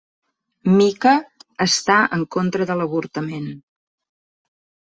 Mica està en contra de l'avortament.